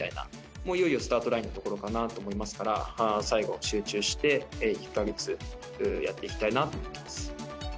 もういよいよスタートラインのところかなと思いますから、最後、集中して１か月やっていきたいなと思います。